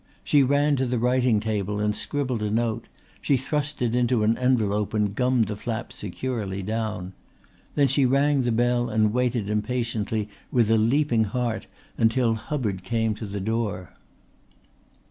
She ran to the writing table and scribbled a note; she thrust it into an envelope and gummed the flap securely down. Then she rang the bell and waited impatiently with a leaping heart until Hubbard came to the door.